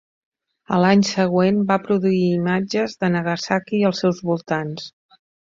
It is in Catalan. A l'any següent va produir imatges de Nagasaki i els seus voltants.